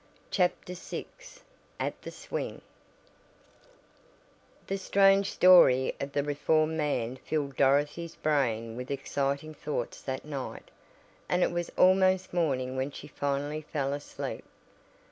CHAPTER VI AT THE SWING The strange story of the reformed man filled Dorothy's brain with exciting thoughts that night, and it was almost morning when she finally fell asleep.